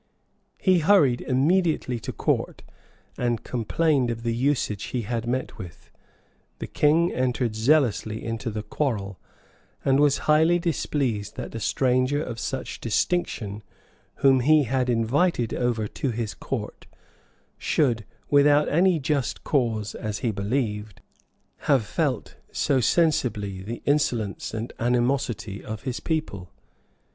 He hurried immediately to court, and complained of tne usage he had met with: the king entered zealously into the quarrel, and was highly displeased that a stranger of such distinction, whom he had invited over to his court, should, without any just cause, as he believed, have felt so sensibly the insolence and animosity of his people.